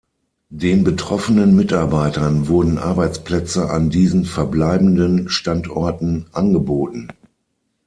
Den betroffenen Mitarbeitern wurden Arbeitsplätze an diesen verbleibenden Standorten angeboten.